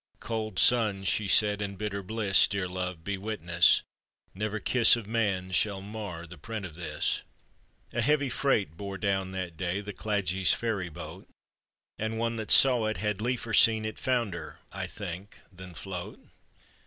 " Cold sun," she said, "and bitter bliss, Dear love, be witness : never kiss Of man shall mar the print of this !" A heavy freight bore down that day The Cladich ferry boat, And one that saw it had liefer seen It founder, I think, than float.